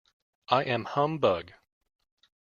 I am a humbug.